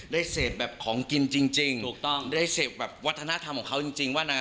ได้เสพแบบของกินจริงได้เสพแบบวัฒนธรรมของเขาจริงว่า